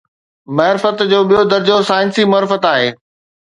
معرفت جو ٻيو درجو ”سائنسي معرفت“ آهي.